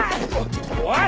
おい！